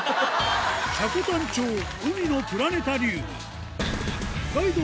積丹町、海のプラネタリウム。